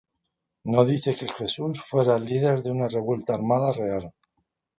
No dice que Jesús fuera el líder de una revuelta armada real.